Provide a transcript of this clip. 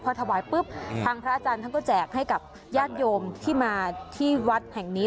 พอถวายปุ๊บทางพระอาจารย์ท่านก็แจกให้กับญาติโยมที่มาที่วัดแห่งนี้